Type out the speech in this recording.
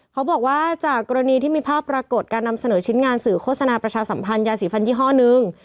เขาบอกว่าจากกรณีที่มีภาพปรากฏการนำเสนอชิ้นงานสื่อโฆษณาประชาสัมพันธ์ยาสีฟันยี่ห้อนึง